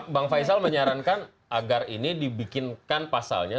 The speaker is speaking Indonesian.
bang faisal menyarankan agar ini dibikinkan pasalnya